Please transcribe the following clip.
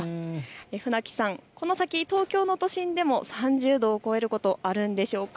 船木さん、この先、東京の都心でも３０度を超えることあるんでしょうか。